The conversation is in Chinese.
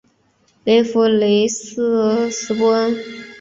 勒夫雷斯恩波雷。